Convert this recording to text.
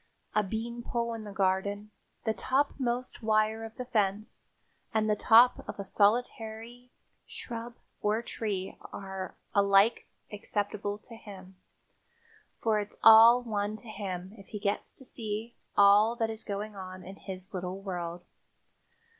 A beanpole in the garden, the topmost wire of the fence and the top of a solitary shrub or tree are alike acceptable to him, for it's all one to him if he gets to see all that is going on in his little world.